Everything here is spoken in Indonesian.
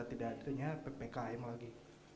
tidak adanya ppkm lagi